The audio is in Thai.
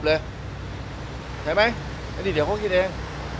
นี่เตรียมเขาคิดเอง